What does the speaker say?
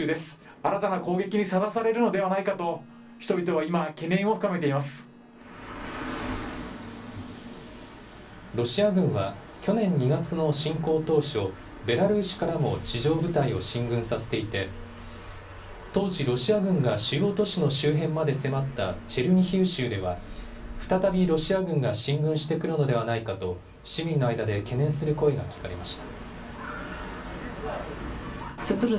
新たな攻撃にさらされるのではないかと、人々は今、懸念を深めてロシア軍は、去年２月の侵攻当初、ベラルーシからも地上部隊を進軍させていて、当時、ロシア軍が主要都市の周辺まで迫ったチェルニヒウ州では、再びロシア軍が進軍してくるのではないかと、市民の間で懸念する声が聞かれました。